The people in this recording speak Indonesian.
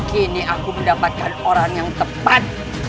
kini aku mendapatkan orang yang tepat